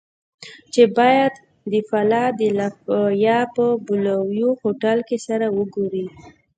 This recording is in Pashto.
چې بايد د فلادلفيا په بلوويو هوټل کې سره وګوري.